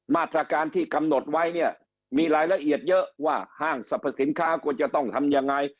มาตรการที่กำหนดไว้เนี่ยมีรายละเอียดเยอะว่าห้างสรรพสินค้าควรจะต้องทำยังไง